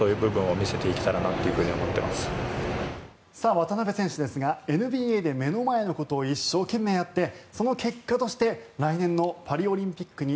渡邊選手ですがＮＢＡで目の前のことを一生懸命やってその結果として来年のパリオリンピックに